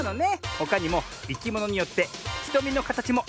ほかにもいきものによってひとみのかたちもいろいろなんだね。